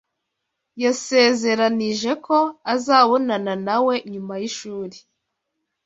Yasezeranije ko azabonana na we nyuma y'ishuri